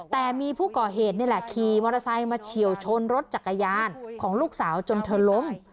แต่มีผู้ก่อเหตุนี่แหละขี่มอเตอร์ไซค์มาเฉียวชนรถจักรยานของลูกสาวจนเธอล้ม